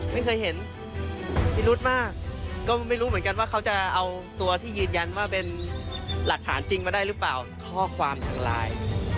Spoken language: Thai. ไม่เคยเห็นพิรุธมากก็ไม่รู้เหมือนกันว่าเขาจะเอาตัวที่ยืนยันว่าเป็นหลักฐานจริงมาได้หรือเปล่าข้อความทางไลน์